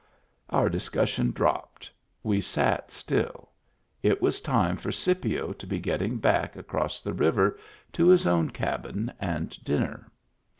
Our discussion dropped; we sat still; it was time for Scipio to be getting back across the river to his own cabin and dinner.